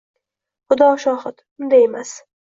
Xudo shohid, unday emas